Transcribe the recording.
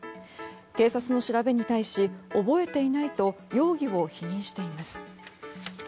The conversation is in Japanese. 警察の調べに対し覚えていないと容疑を否認しています。